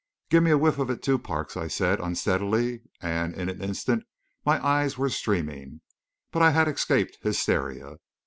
"Give me a whiff of it, too, Parks," I said, unsteadily, and in an instant my eyes were streaming; but I had escaped hysteria.